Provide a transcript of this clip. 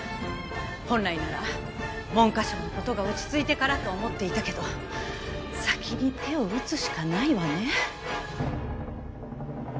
本来なら文科省の事が落ち着いてからと思っていたけど先に手を打つしかないわね。